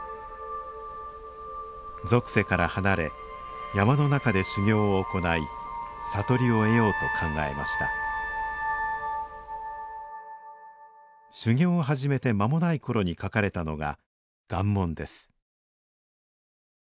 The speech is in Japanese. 俗世から離れ山の中で修行を行い悟りを得ようと考えました修行を始めて間もない頃に書かれたのが「願文」です